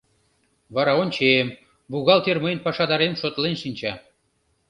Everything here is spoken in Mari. Вара ончем: бухгалтер мыйын пашадарем шотлен шинча.